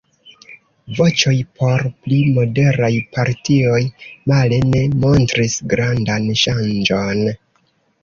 Voĉoj por pli moderaj partioj male ne montris grandan ŝanĝon.